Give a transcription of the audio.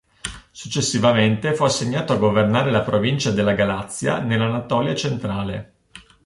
Successivamente fu assegnato a governare la provincia della Galazia nell'Anatolia centrale.